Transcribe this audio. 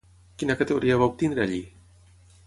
Quina categoria va obtenir allí?